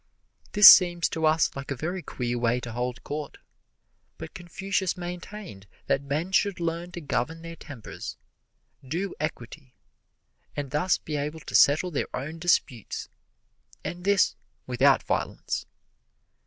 This seems to us like a very queer way to hold court, but Confucius maintained that men should learn to govern their tempers, do equity, and thus be able to settle their own disputes, and this without violence.